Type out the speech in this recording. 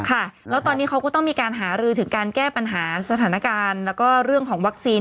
ค่ะแล้วตอนนี้เขาก็ต้องมีการหารือถึงการแก้ปัญหาสถานการณ์แล้วก็เรื่องของวัคซีน